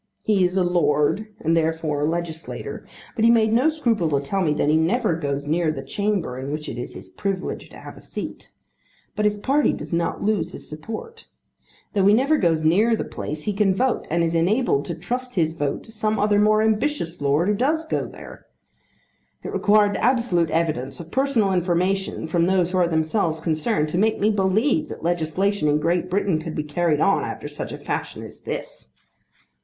He is a lord, and therefore a legislator, but he made no scruple to tell me that he never goes near the Chamber in which it is his privilege to have a seat. But his party does not lose his support. Though he never goes near the place, he can vote, and is enabled to trust his vote to some other more ambitious lord who does go there. It required the absolute evidence of personal information from those who are themselves concerned to make me believe that legislation in Great Britain could be carried on after such a fashion as this!